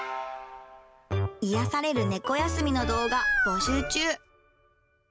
癒やされる猫休みの動画、募集中。